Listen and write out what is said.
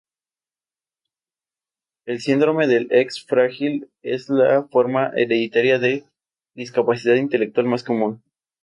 El síndrome del X frágil es la forma hereditaria de discapacidad intelectual más común.